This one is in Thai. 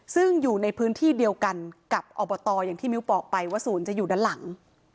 ซึ่งอยู่ในพื้นที่เดียวกันกับอบตอย่างที่มิ้วบอกไปว่าศูนย์จะอยู่ด้านหลัง